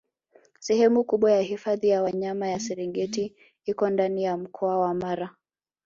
Sehemu kubwa ya hifadhi ya Wanyama ya Serengeti iko ndani ya mkoa wa Mara